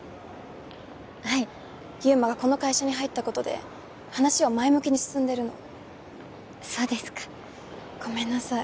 はい祐馬がこの会社に入ったことで話は前向きに進んでるのそうですかごめんなさい